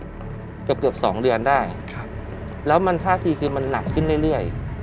เกือบเกือบสองเดือนได้ครับแล้วมันท่าทีคือมันหนักขึ้นเรื่อย